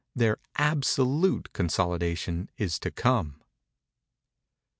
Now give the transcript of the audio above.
Their absolute consolidation is to come.